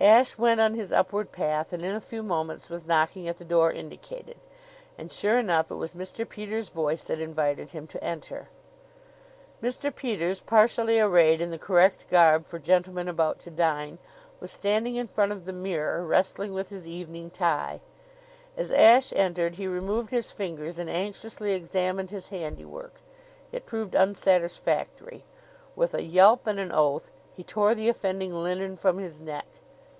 Ashe went on his upward path and in a few moments was knocking at the door indicated. And sure enough it was Mr. Peters' voice that invited him to enter. Mr. Peters, partially arrayed in the correct garb for gentlemen about to dine, was standing in front of the mirror, wrestling with his evening tie. As Ashe entered he removed his fingers and anxiously examined his handiwork. It proved unsatisfactory. With a yelp and an oath, he tore the offending linen from his neck.